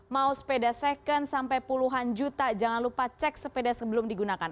mau sepeda second sampai puluhan juta jangan lupa cek sepeda sebelum digunakan